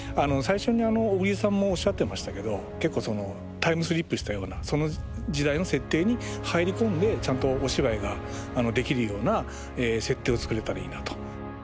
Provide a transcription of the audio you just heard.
最初に小栗さんもおっしゃってましたけど結構タイムスリップしたようなその時代の設定に入り込んでちゃんとお芝居ができるような設定を作れたらいいなと。